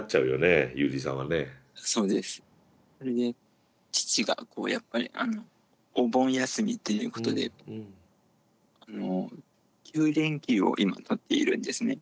それで父がやっぱりお盆休みということで９連休を今取っているんですね。